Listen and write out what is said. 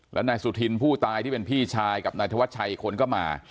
แล้วนายสุธินผู้ตายที่เป็นพี่ชายกับนายธวัชชัยอีกคนก็มา